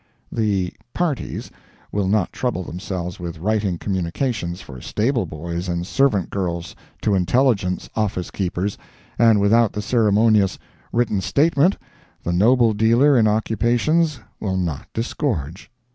The "parties" will not trouble themselves with writing communications for stable boys and servant girls to intelligence office keepers, and without the ceremonious "written statement," the noble dealer in occupations will not disgorge.